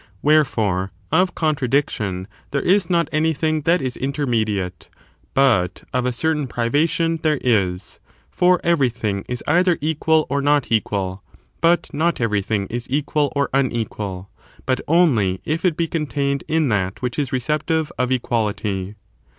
Wherefore, of contradiction there IS not anything that is intermediate; but of a certain privation there is, for everything is either equal or not equal; but not everything is equal or unequal, but only if it be contained in that which is receptive of equality.